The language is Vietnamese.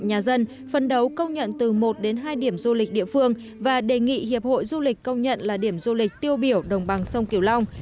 tỉnh bạc liêu phấn đấu công nhận từ một đến hai điểm du lịch địa phương và đề nghị hiệp hội du lịch công nhận là điểm du lịch tiêu biểu đồng bằng sông kiều long